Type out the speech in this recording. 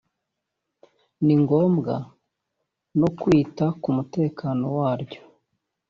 ni ngombwa no kwita ku mutekano waryo